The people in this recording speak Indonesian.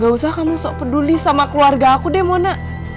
gak usah kamu sok peduli sama keluarga aku deh mona